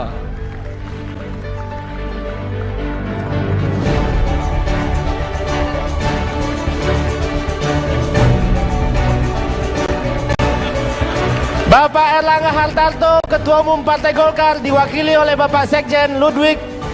hai bapak erlangga hartarto ketua umum partai golkar diwakili oleh bapak sekjen ludwig